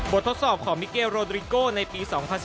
ทดสอบของมิเกลโรดริโก้ในปี๒๐๑๙